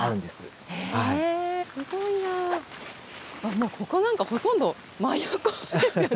もうここなんかほとんど真横ですよね。